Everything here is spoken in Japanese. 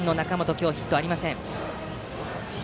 今日ヒットはありません。